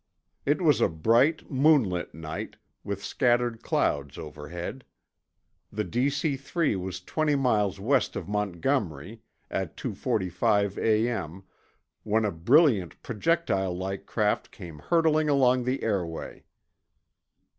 It was a bright, moonlit night, with scattered clouds overhead. The DC 3 was twenty miles west of Montgomery, at 2:45 A.M., when a brilliant projectile like craft came hurtling along the airway.